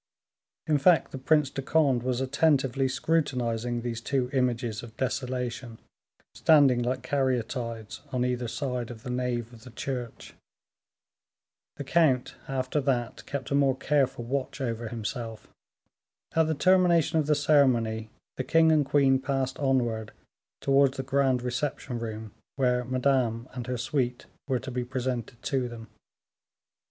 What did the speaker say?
In fact, the Prince of Conde was attentively scrutinizing these two images of desolation, standing like caryatides on either side of the nave of the church. The count, after that, kept a more careful watch over himself. At the termination of the ceremony, the king and queen passed onward towards the grand reception room, where Madame and her suite were to be presented to them.